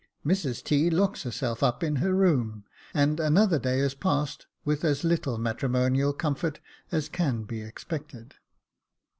Mrs T. locks herself up in her room, and another day is passed with as little matrimonial comfort as can be expected.